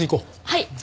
はい！